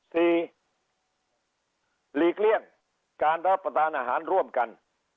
หลีกเลี่ยงการรับประทานอาหารร่วมกัน